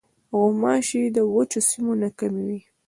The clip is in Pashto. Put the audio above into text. غوماشې د وچو سیمو نه کمې وي.